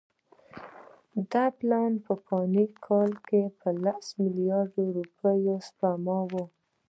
د ده پلان په فلاني کال کې لس میلیونه روپۍ سپما وه.